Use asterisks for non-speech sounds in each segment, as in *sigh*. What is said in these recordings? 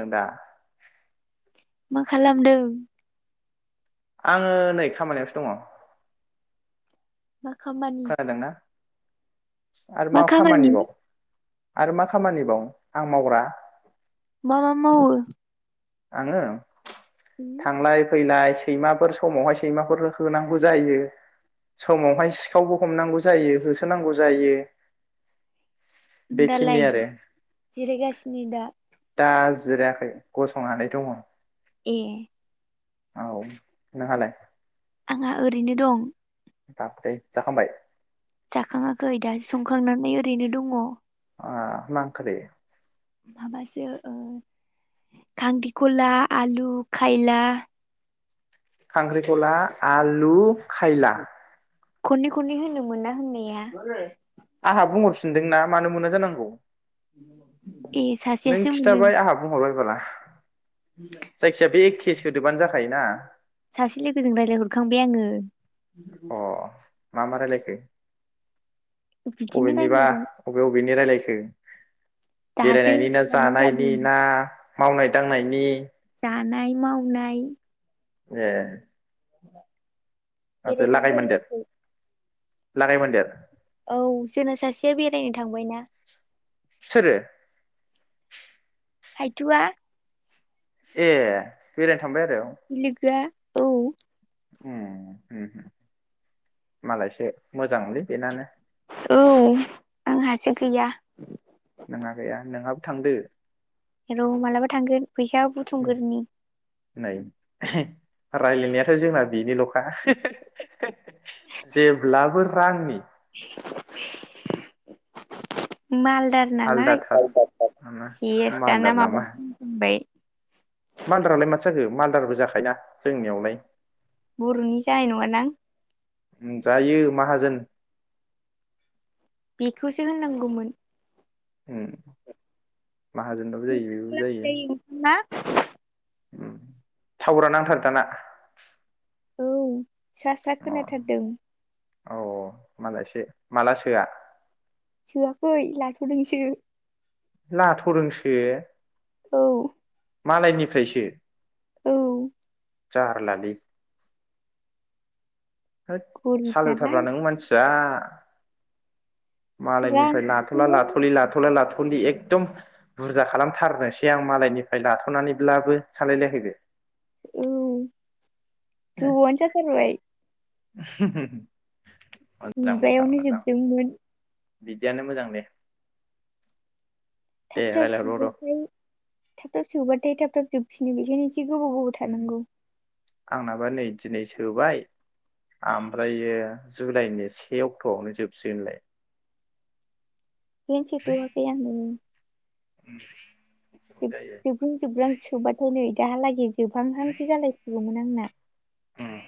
आं दा। मा खालामदों। आङो नै खामानियावसो दङ। मा खामानि। खोनादोंना आरो मा खामानिबाव। आरो मा खामानिबाव आं मावग्रा। मा मा मावो। आङो थांलाय फैलाय सैमाफोर समावहाय सैमाफोर होनांगौ जायो समावहाय सिखावबो हमनांगौ जायो होसोनांगौ जायो। बेखिनि दालाय जि आरो जिरायगासिनो दा। दा जिरायाखै गस संनानै दङ। ए। औ नोंहालाय। हा ओरैनो दं। बापरे जाखांबाय। जाखाङाखै दास संखांनानै ओरैनो दङ। ओ मा ओंख्रि। माबासो ओ खांदिखला आलु खायला खांख्रिखला आलु खायला। खननै-खननै होननो मोना होननाया मा जायो। आंहा बुंहरफिनदोंना मानो मोना जानांगौ। ए नों सासेयासो मोनो। खिथाबाय आंहा बुंहरबाय बाला। जायखिजाया बे के सोदोबानो जाखायोना। सासे लोगोजों रायलाइ हरखांबाय आङो। अ *unintelligible* मा मा रायलायखो? बिदिनो अबेनिबा, रायलायबाय अबे अबेनि रायलाय *unintelligible* दासो बेरायनायनि ना सानै जानायनि जादों। ना? मावनाय दांनायनि। आनाय मावनाय। ए *unintelligible* बेरैनो फैलायाखै। लागाय मोनदेर। औ जोंना सासेया बेरायनो थांबायना। सोरो? हायथुवा। ए बेराय बिलोगोआ। औ हम उम हो मालायसो मोजांलै बेनानो। औ आंहासो गैया। नोंहा गैया नोंहाबो थांदो। र मालाबा थांगोन। फैसा उम बुथुमगोरनि। नै रायलायनायाथ जोंना बेनिल खा जेब्लाबो रांनि। मालदार नालाय, आलदाथार सेस दाना मालदार नामा माबासो बुंबाय। *unintelligible* मालदारालाय माथो जाखो मालदारबो जाखायना जोंनियावलाय। बरनि जानाय नङा नां? जायो माहाजोन। बेखौसो होननांगौमोन। उम। माहाजोनबाबो जायो नोंस्रा बेबो जायो। खालामजायो ओंखामा थावारा नांथारो दाना? औ सा सा अ खोनाथारदों औ औ मालायसो माला सोआ सोआखै लाथ'दोंसो लाथ'दोंसो औ मालायनिफ्रायसो औ जारलालि होद गरिब सालोथारबा नालाय नों मानसिया मालायनिफ्राय रांआनो लाथ'ला गैया लाथ'लि लाथ'ला लाथ लि एकदम बुरजा खालामथारनोसै आं मालायनिफ्राय लाथ'नानैब्लाबो सानलायलायाखै बे औ गोबावानो जाथारबाय *unintelligible* मोजां मोजां जिबायावनो मोजां जोबदोंमोन बिदियानो मोजां दे दे थाब थाब रायलायहरबाव र' सुबाथाय थाब थाब सुबबाथाय थाब थाब जो *unintelligible* गोबाव गोबाव थानांगौ आंनाबा नै दिनै सोबाय ओमफ्रायो जुलाइनि से अक्ट'आवनो जोबसिगोनलाय मिनथितवाखै आंबो *unintelligible* जायो *unintelligible* जिब्रां जोब्रां सुबाथाय नै दाहालागि बिफां फांसे जालायसिगौमोन *unintelligible* ओम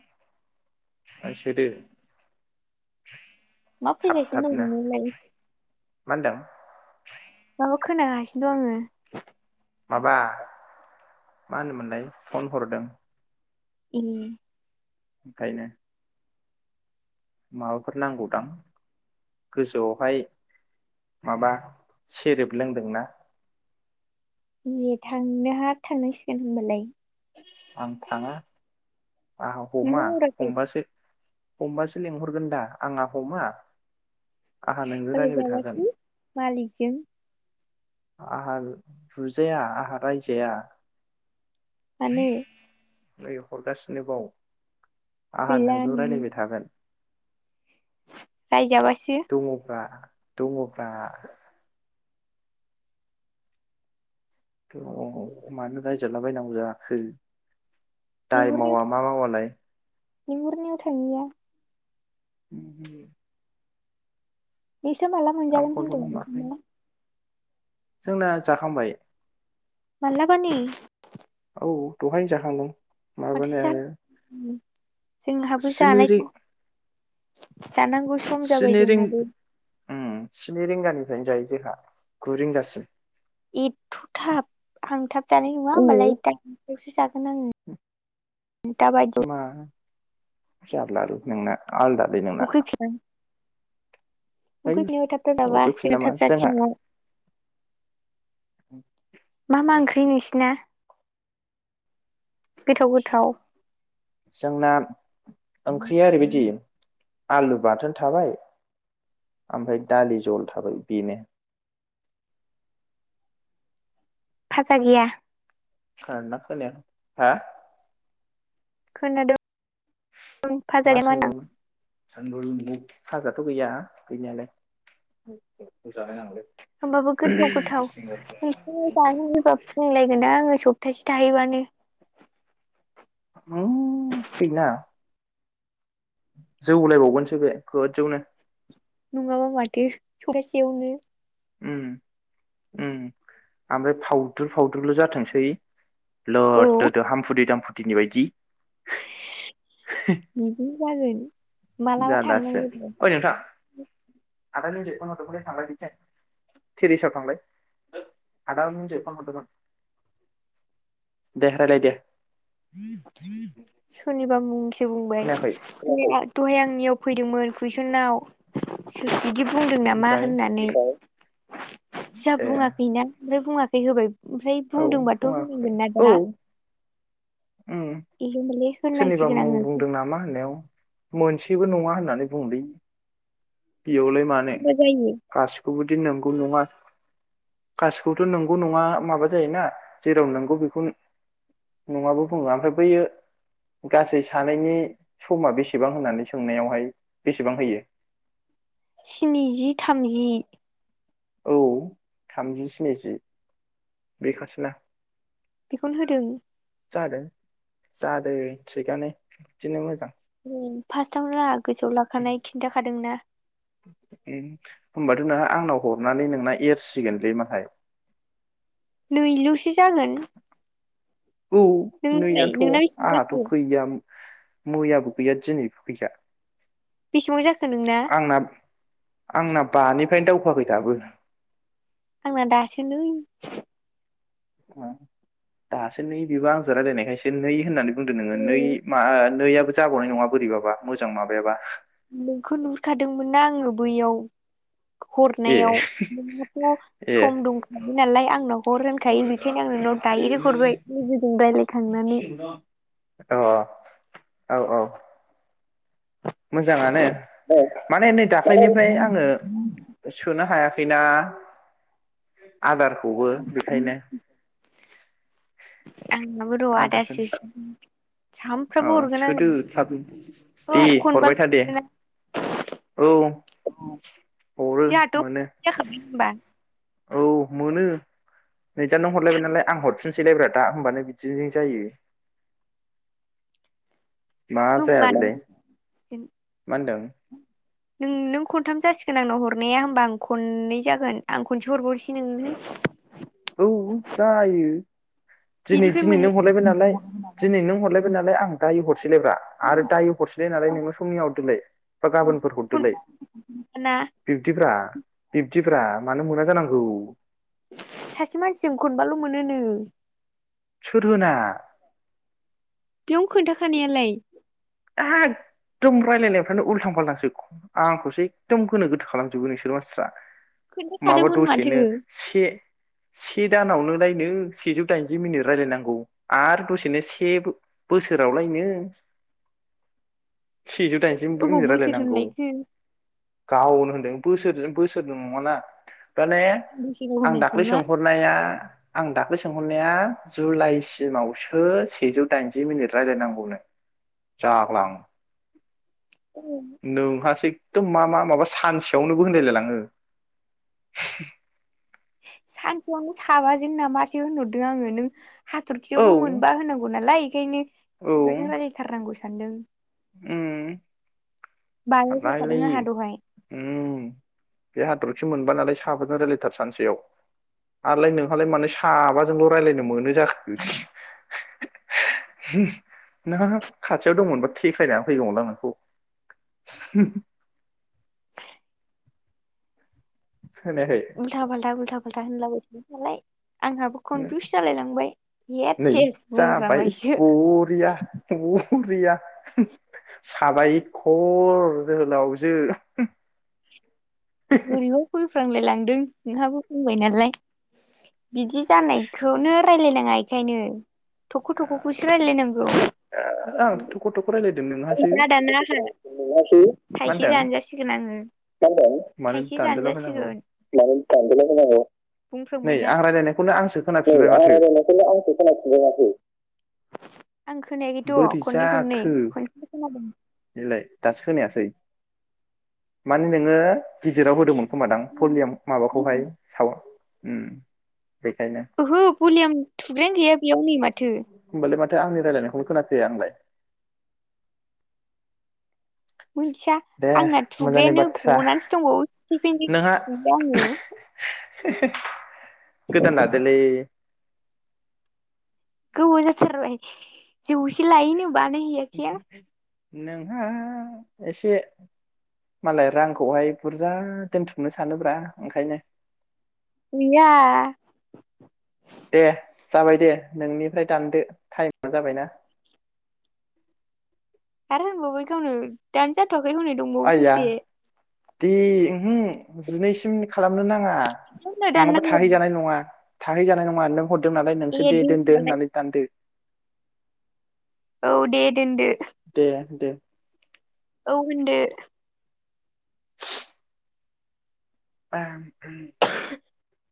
*unintelligible* मा थाब फैगासिनो थाबनो मा दं नोंनोलाय होनदों ओ खोनागासिनो दं आङो माबा मा होनोमोनलाय फन हरदों उम ओंखायनो माबाफोर नांगौदां गोजौआवहाय माबा सेरेब लोंदोंना ए थांनोहा थांनांसिगोन होनबालाय आं थाङा आह नोंलाय हराखै हमा-हमबासो हमबासो लेंंहरगोन दा आंहा हमा आंहा नोंजों रायलायबाय थागोन *unintelligible* आंहा बुजाया आंहा रायजाया मानो हरगासिनोबाव आंहा गैला नोंजों' रायज्लायबाय थागोन राय जाबा दंङब्रा दंङब्रा थ' मानो रायजालाबायनांगौ जाखो दाय मावा लिंहरनायाव मा मावालाय लिंहरनायाव थांयिया *inaudible* बिसोर माला आं मोनजागोन होनदों फनखौनो हमाखै ओंखामा जोंना जाखांबाय माला बानि औ दहायनो जाखांदों माथो माबानो जा जोंहाबो स्नि रि जानायखा स्नि रिं उम स्नि रिंगानि जायो जोंहा गु रिंगासिम एथ' थाब आं थाब जानाय नङा अ होमबालाय टाइमावसो जागोन आङो दा बायदि मा जारलालै नोंना आलदा लै नोंना है उखै फिनो थाब थाब औ जाबा फैफिन जोंहा नामा थाब जाथाया न'आव मा मा ओंख्रि बि नोंसिना गोथाव गोथाव जोंना ओंख्रिया ओरैबायदि आलु बाथोन थाबाय ओमफ्राय दालि जल थाबाय बेनो फाजा गैया खोनादों ना खोनायाखै हा खोनादों फाजा मा गैया होनदां सोंदोंमोन *unintelligible* फाजाथ' गैया गैनायालाय *unintelligible* होमबाबो गोथाव गोथाव नोंसिनि जानो होनोबा फुंलायगोन दा आङो सप्तासे दायो बानो। उम फैना। जौलायबावगोनसो बे गोजौनो। नङाबा माथो सौगासेयावनो। उम उम ओमफ्राय फावदुर फावदुरल जाथोंसै। औ लोददो दो हामफुथि दामफुथ नि बायदि। बिदिनो जागोन। *inaudible* जारलासो थांनांगौ ओइ नोंथां। आदा अनजय फन हरदोंमोनलै थांलाय थेरिसाव थांलाय सोर आदा अनजय फन हरदोंमोन दे रायलाय दे। सोरनिबा मुंसे बुंबाय खोनायाखै खोनाया दहाय आंनियाव फैदोंमोन कुइसनाव सो बिदि बुंदों नामा ओमफ्राय होननानै ओमफ्राय जा ए बुङाखैना ओमफ्राय बुङाख फै होबायब ओमफ्राय औ बुंदोंबाथ बुङाखै होनांगोन ना औ दा? उम एले मेले सोरनिबा होननांसिगोन मुं आङो बुंदों नामा होननायाव मोनसे जेबो नङा होननानै बुंलै। बेयावलाय मानो बुरजा जायो गासिखौबोदि नोम गौ नङा गासैखौथ नंगौ नङा माबा जायोना जेराव नोंगौ बेखौ नङाबो बुङो ओमफ्राय बैयो गासै सानैनि समा बेसेबां होननानै सोंनायावहाय बेसेबां होयो? स्निजि थामजि। औ थामजि स्निजि बे खासो ना। बेखौनो होदों। जादों जादों थिगानो बिदिनो मोजां। उम फास्थ आग गोसोआव लाखानाय खिन्थाखादोंना। होनबाथ नोंहा आंनाव हरनानै नोंना एरसिगोनलै माहाय नैलुसो जागोन। औ नोंनालाय नैयानथ नोंना बेसेबां आंहाथ जाखो गैयाम मैयाबु गैया दिनैबो गैया। बेसेबां जाखो नोंना आंना आंना बानि फाय दावखो आखै दाबो। आंना दासो नै। दासो नै बेबो आंजों रायज्लायनायखायसो नै होननानै बुंदो नोङो नै मा ओ नैयाबो जाबावनाय नङा बोरिबाबा मोजां माबायाबा नोंखौ नुहुरखादोंमोन ना आङो बैयाव ए हरनायाव नोंनाथ' ए सम दंखायो नालाय आंनाव हर होनखायो बेखायनो आं नोंनाव दायरेक्ट हरबाय लोगोजों राय्लायखांनानै अ औ औ मोजाङानो माने नै दाख्लैनिफ्राय आङो सोनो हायाखै फैना आदारखौबो बेखायनो आंनाबो र' आदार आदासम सोसिगोन अ सानफ्रामबो हरगोन आङो सोदो थाब दे औ खनबा हरबाय था दे जोंहाथ' औ हरो मोनो जाखाबाय होनबा औ मोनो । नैदा नों हरलायबाय थाम नालाय आं हरफिन सलायब्रा दा होमबानो बिदिजों जायो । होमबा नों मा होनदों नों *unintelligible* खथाम जासिगोन आंनाव हरनाया होमबा आं खनै जागोन आं खनसे हरबावसै नोंनो औ जायो । दिनै बिनिफ्राय दिनै मोन नों हरलायबाय नालाय दिनै नों हरलायबाय नालाय आं दायो हरसैलायब्रा आरो दायो हरसैलाय नालाय नोङो समनिहा हरदोलाय बा गाबोनफोर हरदोलाय खनबाना बिब्दिब्रा बि *unintelligible* मानो मोना जानांगौ सासे मानसिजों खनबाल' मोनो नो । सोर होना? बेयावनो खोन्थाखानायालाय एखदम रायजलायनायफ्रानो उल्थां फाल्थांसो आंखौसो एखदम गोनो गोथो खालामजोबो नोंसोर मानसिफ्रा माबा खोन्थाखादोंमोन माथो दसेनो से से दानावनोलायनो सेजौ दाइनजि मिनिट रायजलायनांगौ आरो दसेनो से बोसोरावलायनो सेजौ दाइनजि अबाव मिनिट बोसोर रायलायनांगौ होनलायखो गावनो होनदों बोसोरजों बोसोरजों नङना माने बोसोराव आं होनाखै दाख्लै मा सोंहरनाया आं दाख्लै सोंहरनाया जुलाइसिमावसो सेजौ दाइनजि मिनिट रायज्लायनांगौनो जाग्लां नोंहासो एखदम मा मा माबा सानसेयावनोबो होनलायलायलाङो । सानसेयावनो साबाजों नामा सो होनहरदों आङो नों औ हाथरखियावबो मोनबा होनांगौ नालाय *unintelligible* माबाजों राय्लायथारनांगौसो सान्दों उ *unintelligible* बानाय होखादों आंहा दहाय मोनबा नालाय साबाजों रायलायथार सानसेयाव आरोलाय नोंहालाय मानो साबाजोंल' रायलायनो मोनो जाखो *unintelligible* नों खाथियाव दंमोनबा थेखायनाया फैगौमोनलां नोंखौ *inaudible* खोनायाखै उल्था फाल्था उल्थाब फालथा होनलाबो नालाय *inaudible* आंहाबो कनफिउस जालाय लांबाय एद नै सेस जाबाय बुंफ्रांबायसो बरिया बरिया साबायखर जोहोलावजो गुरियाव *inaudible* फ्रांलायलांदों नोंहाबो बुंबाय नालाय बिदि जानायखौनो रायलायनाङा एखायनो थख' थख'खौसो रायलायनांगौ आंथ' थख' थख' रायलायदों नोंहासो गैला दाना आहा मा थाइसे होनदों जान जासिगोन आङो मानो थाइसे जान दानजालाबायनांगौ जासिगोन थौ *inaudible* नै बुंफ्रांबायना आं रायलायनायखौनो आंसो खोनाफिनबाय माथो आखौ आंस खोनफदोंा *inaudible* खै आं खोनायाखैथ' बोरै खननै खननै जाखो ख ो *inaudible* नादों बेलाय दासो खोनायासै माने नोङो गिदिराव होदोंमोन खोमा दां पलियाम माबाखौहाय साव ओहो भलियाम थुग्रायानो गैया नि माथो *inaudible* थो आंनि रायलायनायखौनो खोनाफैया आंलाय मोनथिया दे आंना मोजांनि थुग्रायानो बाथ्रा गनानैसो दंबावो नोंहा स्टिफेनजोंसो थुयो आङो *inaudible* गोदान लादोलै गोबाव जाथारबाय जौसे लायोनोम बानाय हैयाखैहां नोंहा एसे मालाय रांखौहाय बुरजा दोनथुमनो सानोब्रा ओंखायनो गैया दे जाबाय दे नोंनिफ्राय दानदो टाइमानो जाबायना आरो होनबावबाय गावनो दानोजाद थयाखै होनै दंबावो आइया ससे दे ओम हो जिनैसिम खालामनो नाङा नोंनो नङाबा दाननांगौ थाहैजानाय नङा थाहै जानाय नों हरदों नालाय नोंसो ए दे दोनदो होनबालाय होननानै दानदो औ दे दोनदो दे दे औ होनदो बा *inaudible*